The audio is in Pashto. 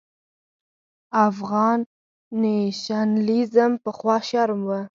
افغان نېشنلېزم پخوا شرم و.